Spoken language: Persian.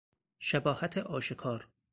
شباهت آشکار